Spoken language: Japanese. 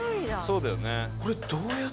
そうだよね。